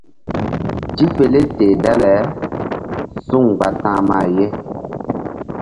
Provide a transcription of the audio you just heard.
Tipele teh dale suŋ mgba ta̧hma ye.